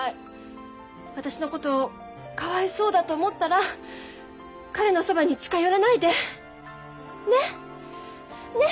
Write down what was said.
私のことかわいそうだと思ったら彼のそばに近寄らないで。ね！ね！